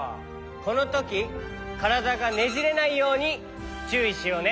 このときからだがねじれないようにちゅういしようね。